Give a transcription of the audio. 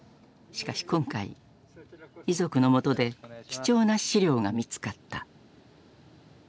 しかし今回遺族のもとで貴重な資料が見つかった。